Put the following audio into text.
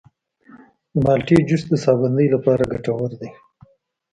د مالټې جوس د ساه بندۍ لپاره ګټور دی.